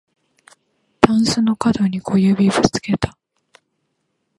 たんすのかどに小指ぶつけた